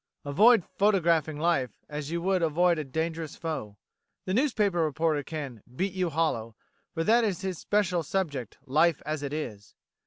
Avoid photographing life as you would avoid a dangerous foe. The newspaper reporter can "beat you hollow," for that is his special subject: life as it is.